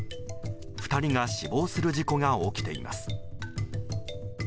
２人が死亡する事故が起きています。